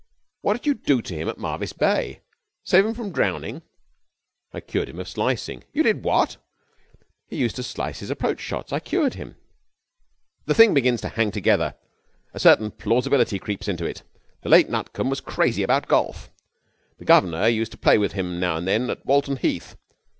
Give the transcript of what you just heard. What did you do to him at Marvis Bay? Save him from drowning?' 'I cured him of slicing.' 'You did what?' 'He used to slice his approach shots. I cured him.' 'The thing begins to hang together. A certain plausibility creeps into it. The late Nutcombe was crazy about golf. The governor used to play with him now and then at Walton Heath.